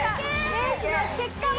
レースの結果は。